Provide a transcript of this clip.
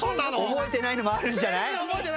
覚えてないのもあるんじゃない？